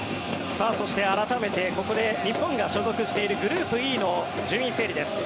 そして、改めてここで日本が所属しているグループＥの順位整理です。